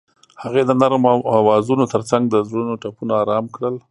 هغې د نرم اوازونو ترڅنګ د زړونو ټپونه آرام کړل.